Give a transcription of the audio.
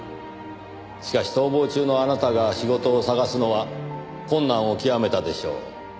しかし逃亡中のあなたが仕事を探すのは困難を極めたでしょう。